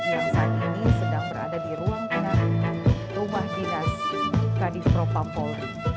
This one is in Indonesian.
yang saat ini sedang berada di ruang rumah dinas kadifropa polri